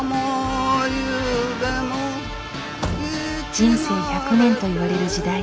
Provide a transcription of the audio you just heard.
「人生１００年」といわれる時代。